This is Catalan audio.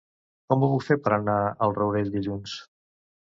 Com ho puc fer per anar al Rourell dilluns?